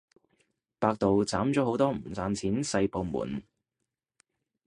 百度斬咗好多唔賺錢細部門